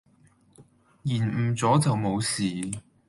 延誤左就無事